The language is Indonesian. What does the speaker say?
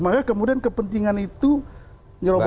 maka kemudian kepentingan itu nyerobot masuk